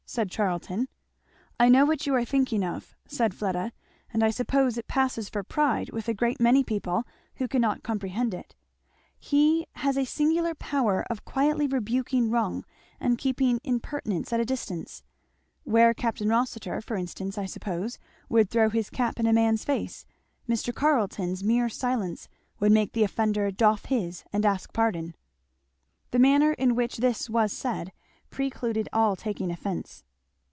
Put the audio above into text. said Charlton. "I know what you are thinking of," said Fleda, "and I suppose it passes for pride with a great many people who cannot comprehend it he has a singular power of quietly rebuking wrong, and keeping impertinence at a distance where Capt. Rossitur, for instance, I suppose, would throw his cap in a man's face, Mr. Carleton's mere silence would make the offender doff his and ask pardon." The manner in which this was said precluded all taking offence.